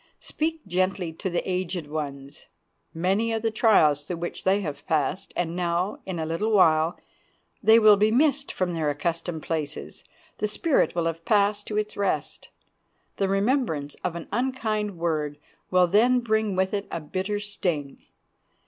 Speak gently to the aged ones; many are the trials through which they have passed, and now, in a little while, they will be missed from their accustomed places—the spirit will have passed to its rest. The remembrance of an unkind word will then bring with it a bitter sting.